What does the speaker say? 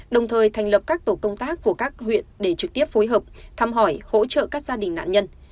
đồng thời thành lập các tổ công tác của các huyện để trực tiếp phối hợp thăm hỏi hỗ trợ các gia đình nạn nhân